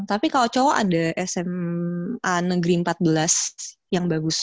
tapi kalau cowok ada sma negeri empat belas yang bagus